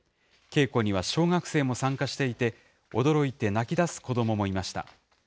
稽古には小学生も参加していて、驚いて泣き出す子どももいました。